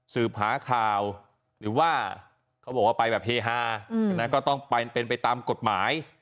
สืบหาข่าวหรือว่าเขาบอกว่าไปแบบเฮฮาก็ต้องไปเป็นไปตามกฎหมาย